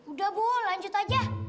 udah bu lanjut aja